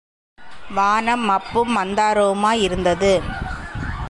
வானம் மப்பும் மந்தாரமுமாய் இருந்தது.